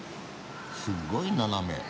すっごい斜め。